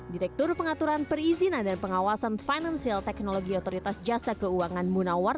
direktur pengaturan perizinan dan pengawasan financial technology otoritas jasa keuangan munawar